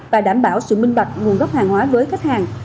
và đảm bảo sự minh bạch nguồn gốc hàng hóa với khách hàng